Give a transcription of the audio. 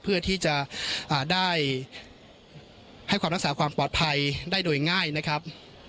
เพื่อที่จะได้ให้ความรักษาความปลอดภัยได้โดยง่ายนะครับ